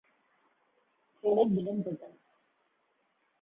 Hûn ê bilind bibin.